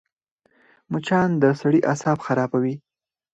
مچان د سړي اعصاب خرابوي